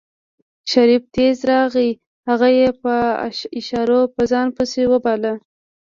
شريف تېز راغی هغه يې په اشارو په ځان پسې وباله.